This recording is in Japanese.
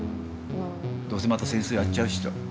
どうせまた戦争やっちゃうしと。